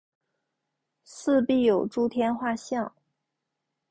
四壁有诸天画像。